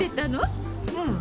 うん。